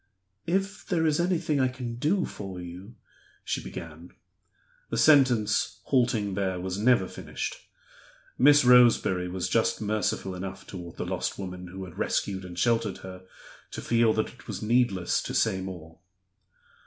"If there is anything I can do for you " she began. The sentence, halting there, was never finished. Miss Roseberry was just merciful enough toward the lost woman who had rescued and sheltered her to feel that it was needless to say more.